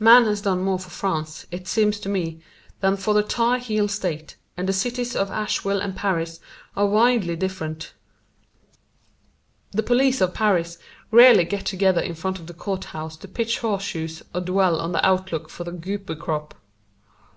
Man has done more for France, it seems to me, than for the Tar Heel State, and the cities of Asheville and Paris are widely different. The police of Paris rarely get together in front of the court house to pitch horseshoes or dwell on the outlook for the goober crop.